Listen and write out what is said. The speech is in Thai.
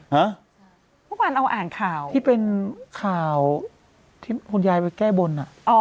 เมื่อวานเราอ่านข่าวที่เป็นข่าวที่คุณยายไปแก้บนอ่ะ